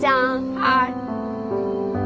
はい。